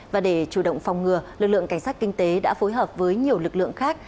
và để chủ động phòng ngừa lực lượng cảnh sát kinh tế đã phối hợp với nhiều lực lượng khác